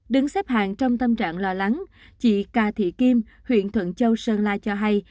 đứng xếp hàng trong tâm trạng lo lắng chị cà thị kim huyện thuận châu sơn la cho hay